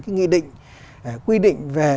cái quy định về